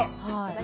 はい。